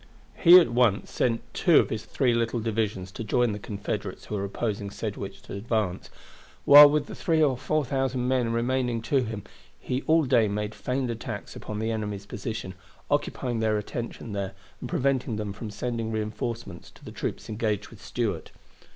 He at once sent two of his three little divisions to join the Confederates who were opposing Sedgwick's advance, while with the three or four thousand men remaining to him, he all day made feigned attacks upon the enemy's position, occupying their attention there, and preventing them from sending reinforcements to the troops engaged with Stuart.